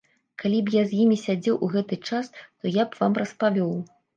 Калі б я з імі сядзеў у гэты час, то я б вам распавёў.